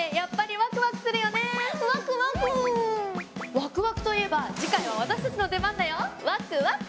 ワクワクといえば次回は私たちのでばんだよワクワク。